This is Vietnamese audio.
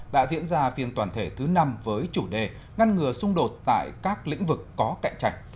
đã diễn ra phiên toàn thể thứ năm với chủ đề ngăn ngừa xung đột tại các lĩnh vực có cạnh trạch